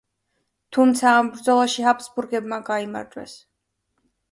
თუმცა ამ ბრძოლაში ჰაბსბურგებმა გაიმარჯვეს.